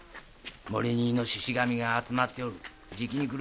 森に猪神が集まっておるじきに来るぞ。